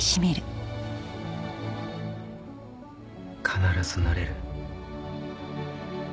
必ずなれる